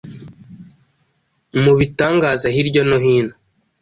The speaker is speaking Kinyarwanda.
Mu bitangaza hirya no hino,